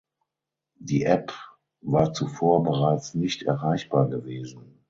Die App war zuvor bereits nicht erreichbar gewesen.